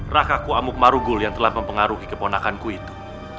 rakaku amuk marugul yang telah mempengaruhi keponakanku itu